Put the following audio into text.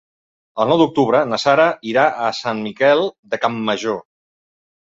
El nou d'octubre na Sara irà a Sant Miquel de Campmajor.